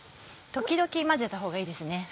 時々混ぜたほうがいいですね。